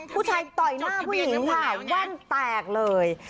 ต่อยหน้าผู้หญิงค่ะแว่นแตกเลย